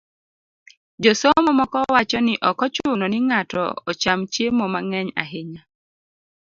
Josomo moko wacho ni ok ochuno ni ng'ato ocham chiemo mang'eny ahinya